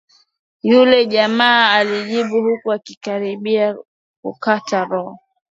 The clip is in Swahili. Yule jamaa alijibu huku akikaribia kukata roho